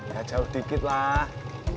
ya jauh dikit lah